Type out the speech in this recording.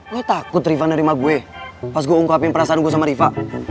gue takut rifana nerima gue pas gue ungkapin perasaan gue sama riva